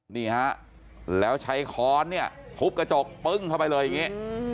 นี่ฮะแล้วใช้ค้อนเนี่ยทุบกระจกปึ้งเข้าไปเลยอย่างนี้